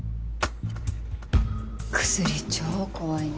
薬超怖いね。